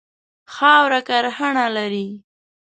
خاوره کرهڼه لري.